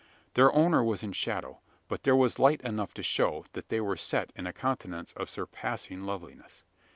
Their owner was in shadow; but there was light enough to show that they were set in a countenance of surpassing loveliness.